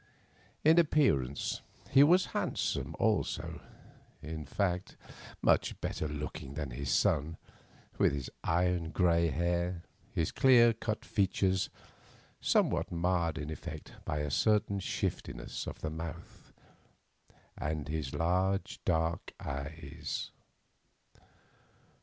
In appearance he was handsome also; in fact, much better looking than his son, with his iron grey hair, his clear cut features, somewhat marred in effect by a certain shiftiness of the mouth, and his large dark eyes.